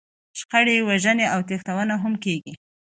شخړې، وژنې او تښتونه هم کېږي.